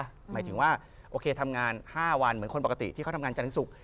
หมายถึงว่าโอเคทำงาน๕วันเหมือนคนปกติที่เขาทำงานจันทร์ศุกร์